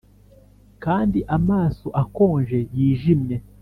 kandi amaso akonje, yijimye,